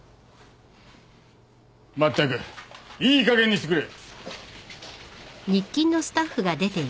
まったくいいかげんにしてくれ。